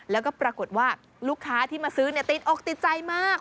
แล้วก็ปรากฏว่าลูกค้าที่มาซื้อติดอกติดใจมาก